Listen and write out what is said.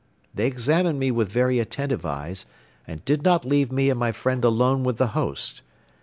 They examined me with very attentive eyes and did not leave me and my friend alone with the host.